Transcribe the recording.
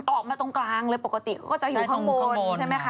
ออกมาตรงกลางเลยปกติก็จะอยู่ข้างบนใช่ไหมคะ